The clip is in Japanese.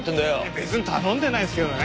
別に頼んでないですけどね。